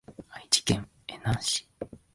愛知県江南市